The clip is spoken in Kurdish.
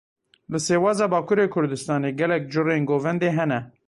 Li Sêwasa Bakurê Kurdistanê gelek curên govendê hene.